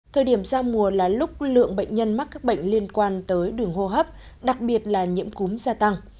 thời điểm giao mùa là lúc lượng bệnh nhân mắc các bệnh liên quan tới đường hô hấp đặc biệt là nhiễm cúm gia tăng